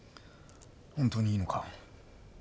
本当にいいのか？